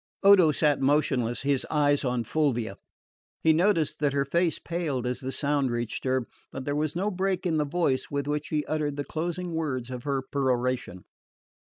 Odo sat motionless, his eyes on Fulvia. He noticed that her face paled as the sound reached her, but there was no break in the voice with which she uttered the closing words of her peroration.